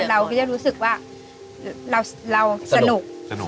เราก็จะรู้สึกว่าเราสนุก